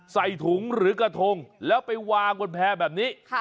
ใส่ถุงหรือกระทงแล้วไปวางบนแพร่แบบนี้